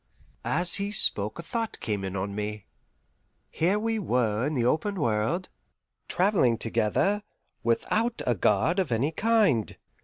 As he spoke a thought came in on me. Here we were in the open world, travelling together, without a guard of any kind.